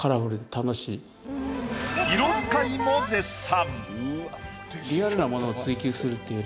色使いも絶賛。